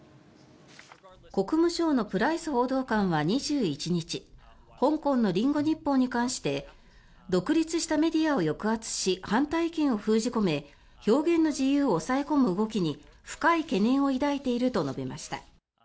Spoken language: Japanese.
国務省のプライス報道官は２１日香港のリンゴ日報に関して独立したメディアを抑圧し反対意見を封じ込め表現の自由を抑え込む動きに深い懸念を抱いていると述べました。